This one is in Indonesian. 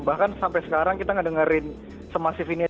bahkan sampai sekarang kita gak dengerin semasif ini